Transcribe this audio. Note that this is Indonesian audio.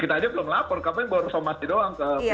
kita aja belum lapor kami baru somati doang ke pd pasar jaya